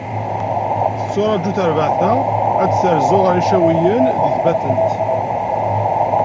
Tetturaǧu terbaɛt-a, ad terzu ɣer Yicawiyen di Tbatent.